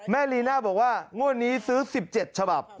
ลีน่าบอกว่างวดนี้ซื้อ๑๗ฉบับ